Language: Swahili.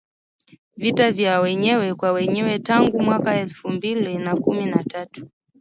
vita vya wenyewe kwa wenyewe tangu mwaka elfu mbili na kumi na tatu